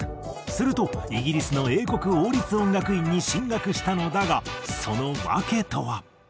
するとイギリスの英国王立音楽院に進学したのだがその訳とは？